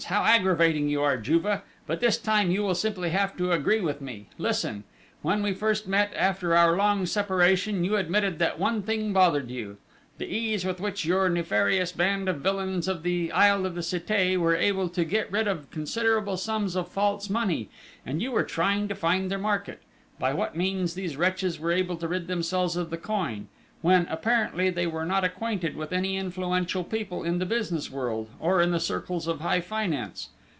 How aggravating you are, Juve!... But this time you will simply have to agree with me! Listen!... When we first met, after our long separation, you admitted that one thing bothered you the ease with which your nefarious band of villains of the Isle of the Cité were able to get rid of considerable sums of false money; and you were trying to find their market by what means these wretches were able to rid themselves of the coin; when, apparently, they were not acquainted with any influential people in the business world, or in the circles of high finance....